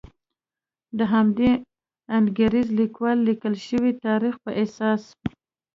د همدې انګریز لیکوالو لیکل شوي تاریخ په اساس.